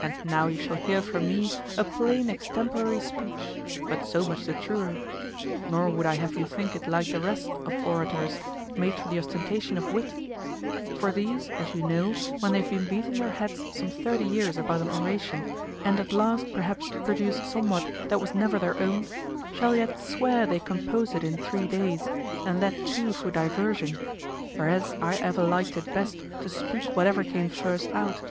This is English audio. And now you shall hear from me a plain extemporary speech, but so much the truer. Nor would I have you think it like the rest of orators, made for the ostentation of wit; for these, as you know, when they have been beating their heads some thirty years about an oration and at last perhaps produce somewhat that was never their own, shall yet swear they composed it in three days, and that too for diversion: whereas I ever liked it best to speak whatever came first out.